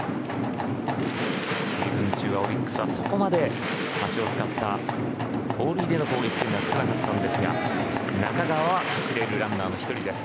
シーズン中はオリックスはそこまで足を使った盗塁での攻撃は少なかったんですが中川は走れるランナーの１人です。